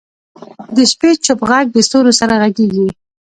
د شپې چوپ ږغ د ستورو سره غږېږي.